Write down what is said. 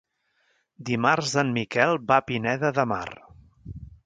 Dimarts en Miquel va a Pineda de Mar.